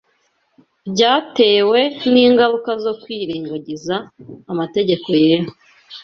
byatewe n’ingaruka zo kwirengagiza amategeko yera